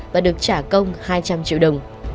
và được trả công hai trăm linh triệu đồng